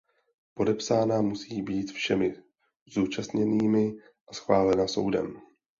Podepsána musí být všemi zúčastněnými a schválena soudem.